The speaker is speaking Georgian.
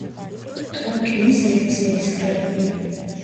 ტოლკინის ლექციების კრებული.